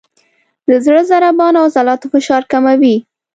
د زړه ضربان او عضلاتو فشار کموي،